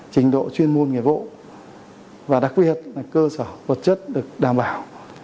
trình độ chuyên môn nghề vụ và đặc biệt là cơ sở vật chất được đảm bảo